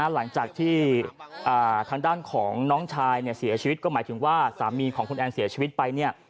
หลังจากที่ทางด้านของน้องชายเสียชีวิตก็หมายถึงว่าสามีของคุณแอนเสียชีวิตไปเนี่ย